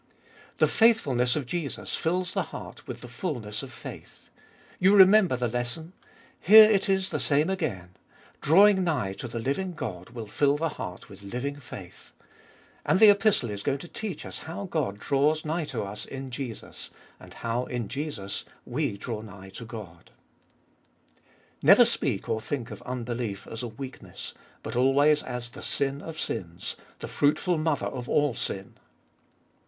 2. The faithfulness of Jesus fills the heart with the fulness of faith. You remember the lesson ? Here It Is the same again : drawing nigh to the living God will fill the heart with living faith. And the Epistle is going to teach us how God draws nigh to us in Jesus, and how in Jesus we draw nigh to God. 3. Never speak or think of unbelief as a weakness, but always as the sin of sins, the fruitful mother of all sin.